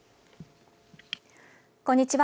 こんにちは。